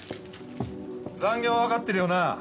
残業はわかってるよな？